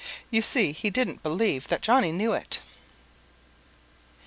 You see he didn't believe that Johnny knew it.